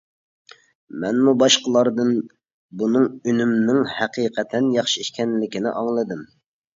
مەنمۇ باشقىلاردىن بۇنىڭ ئۈنۈمىنىڭ ھەقىقەتەن ياخشى ئىكەنلىكىنى ئاڭلىدىم.